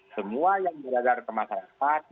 semua yang berada di masyarakat